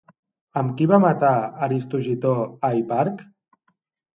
Amb qui va matar Aristogitó a Hiparc?